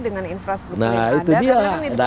dengan infrastruktur yang ada